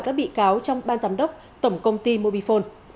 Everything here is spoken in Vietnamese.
các bị cáo trong ban giám đốc tổng công ty mobifone